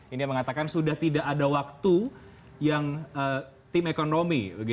ini yang mengatakan sudah tidak ada waktu yang tim ekonomi